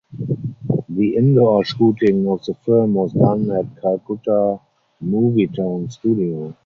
The indoor shooting of the film was done at Calcutta Movietone Studio.